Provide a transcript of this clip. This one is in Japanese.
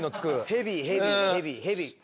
ヘビヘビヘビヘビ。